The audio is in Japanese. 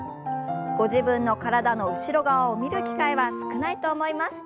ご自分の体の後ろ側を見る機会は少ないと思います。